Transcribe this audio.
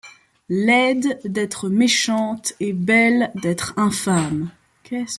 Laide, d’être méchante, et, belle, d’être infâme ;